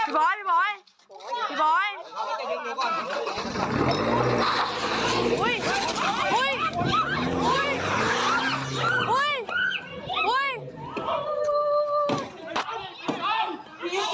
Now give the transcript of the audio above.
พี่บ๊อยพี่บ๊อย